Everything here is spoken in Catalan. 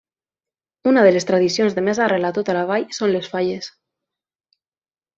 Una de les tradicions de més arrel a tota la vall són les falles.